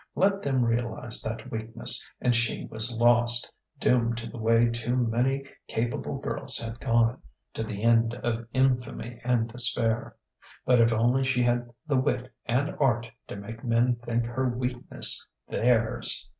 Let them realize that weakness, and she was lost, doomed to the way too many capable girls had gone, to the end of infamy and despair. But if only she had the wit and art to make men think her weakness theirs....